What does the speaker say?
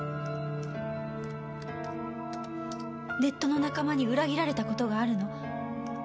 「ネットの仲間に裏切られたことがあるの？」